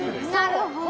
なるほど。